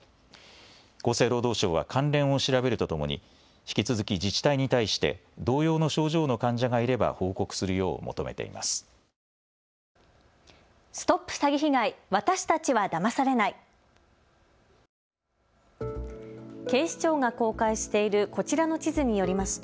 厚生労働省は関連を調べるとともに引き続き自治体に対して同様の症状の患者がいれば報告するよう求めています。